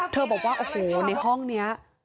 เธอบอกว่าในห้องเนี้ย